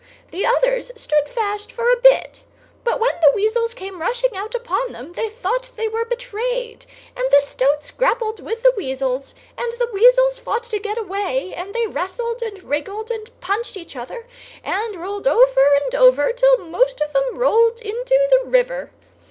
The others stood fast for a bit, but when the weasels came rushing out upon them they thought they were betrayed; and the stoats grappled with the weasels, and the weasels fought to get away, and they wrestled and wriggled and punched each other, and rolled over and over, till most of 'em rolled into the river!